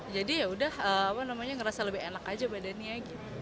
jadi yaudah ngerasa lebih enak aja badannya